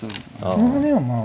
このハネはまあ。